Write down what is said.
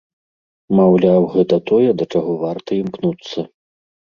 Маўляў, гэта тое, да чаго варта імкнуцца.